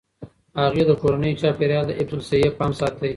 هغې د کورني چاپیریال د حفظ الصحې پام ساتي.